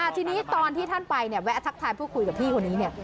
ทีนี้ตอนที่ท่านไปเนี่ยแวะทักทายพูดคุยกับพี่คนนี้เนี่ย